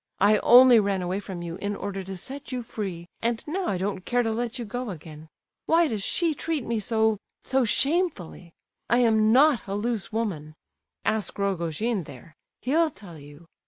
I only ran away from you in order to set you free, and now I don't care to let you go again. Why does she treat me so—so shamefully? I am not a loose woman—ask Rogojin there! He'll tell you.